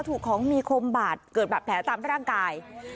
ถูกของมีคมบาดเกิดบาดแผลตามร่างกาย